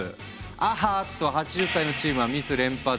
あっと８０歳のチームはミス連発！